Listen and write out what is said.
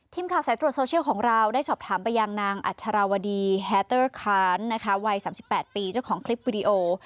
ทีมข่าวสายตรวจโซเชียลของเราได้สอบถามไปยังนางอัชราวดีแฮเตอร์ค้านนะคะวัย๓๘ปีเจ้าของคลิปวิดีโอ